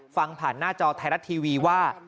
ฟังผ่านหน้าจอไทยรัฐทีวีว่า